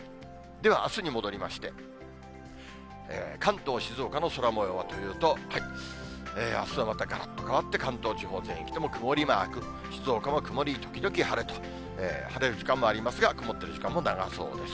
では、あすに戻りまして、関東、静岡の空もようはというと、あすはまたがらっと変わって、関東地方全域とも曇りマーク、静岡も曇り時々晴れと、晴れる時間もありますが、曇ってる時間も長そうです。